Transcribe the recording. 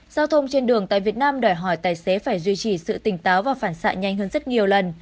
giao thông trên đường tại việt nam đòi hỏi tài xế phải duy trì sự tỉnh táo và phản xạ nhanh hơn rất nhiều lần